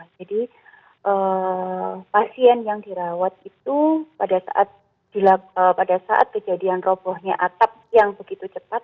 jadi pasien yang dirawat itu pada saat kejadian robo nya atap yang begitu cepat